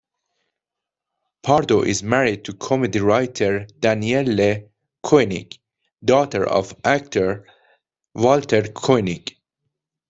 Pardo is married to comedy writer Danielle Koenig, daughter of actor Walter Koenig.